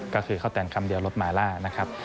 ก็คือเขาแต่งคำเดียวรถมาล่านะครับ